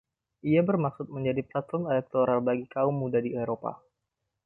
Ia bermaksud menjadi platform elektoral bagi kaum muda di Eropa.